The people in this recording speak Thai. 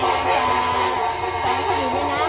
หรือว่าเกิดอะไรขึ้น